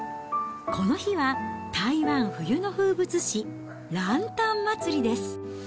この日は台湾冬の風物詩、ランタン祭りです。